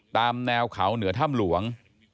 ตามแนวเขาเหนือถ้ำหลวง